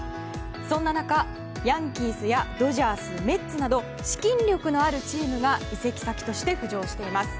そんな中ヤンキースやドジャースメッツなど資金力のあるチームが移籍先として浮上しています。